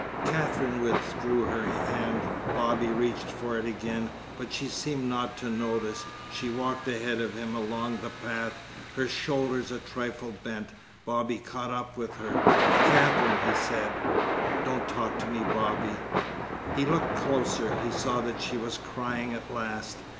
Katherine withdrew her hand. Bobby reached for it again, but she seemed not to notice. She walked ahead of him along the path, her shoulders a trifle bent. Bobby caught up with her. "Katherine!" he said. "Don't talk to me, Bobby." He looked closer. He saw that she was crying at last.